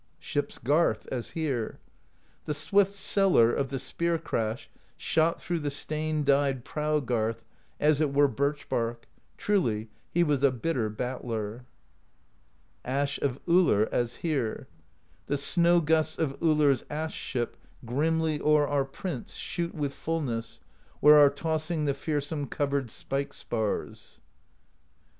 Ship's Garth, as here: The swift Sweller of the Spear Crash Shot through the stain dyed Prow Garth As it were birch bark; truly He was a bitter battler. Ash of Ullr, as here: The Snow Gusts of UUr's Ash Ship Grimly o'er our Prince shoot With fullness, where are tossing The fearsome covered spike spars.